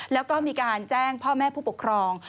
แล้วก็มีการแจ้งพ่อแม่ผู้ปกครอง